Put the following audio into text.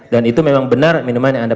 dan itu memang benar minuman yang anda